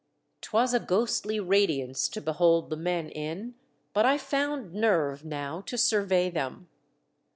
'Tv«^as a ghostly radiance to behold the men in, but I found nerve now to survey them.